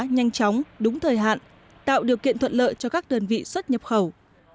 nhanh chóng đúng thời hạn tạo điều kiện thuận lợi cho các đơn vị xuất nhập khẩu